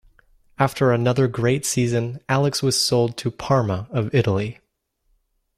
After another great season, Alex was sold to Parma, of Italy.